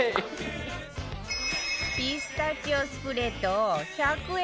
ピスタチオスプレッドを１００円